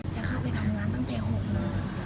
เข้าไปทำงานตั้งแต่๖โมง